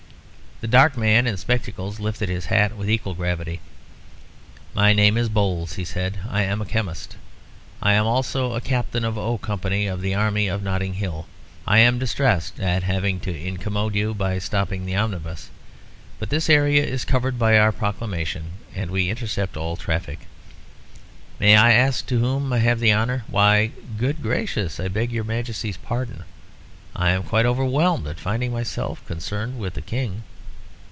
The dark man in spectacles lifted his hat with equal gravity. "My name is Bowles," he said. "I am a chemist. I am also a captain of O company of the army of Notting Hill. I am distressed at having to incommode you by stopping the omnibus, but this area is covered by our proclamation, and we intercept all traffic. May I ask to whom I have the honour Why, good gracious, I beg your Majesty's pardon. I am quite overwhelmed at finding myself concerned with the King."